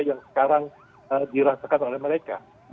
yang sekarang dirasakan oleh mereka